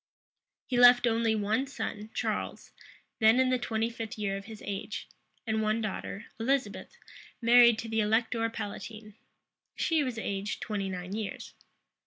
He left only one son, Charles, then in the twenty fifth year of his age; and one daughter, Elizabeth, married to the elector palatine. She was aged twenty nine years.